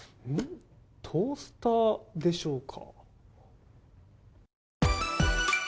トースターでしょうか？